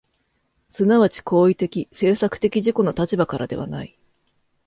即ち行為的・制作的自己の立場からではない。